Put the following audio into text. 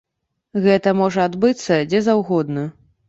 Гэта можа адбыцца дзе заўгодна.